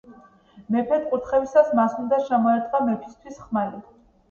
მეფედ კურთხევისას მას უნდა შემოერტყა მეფისთვის ხმალი.